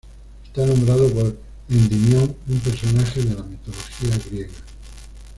Está nombrado por Endimión, un personaje de la mitología griega.